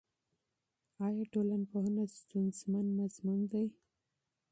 آیا ټولنپوهنه ستونزمن مضمون دی؟